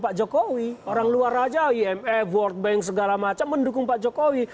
pak cokowi orang luar raja imf world bank segala macam mendukung pak cokowi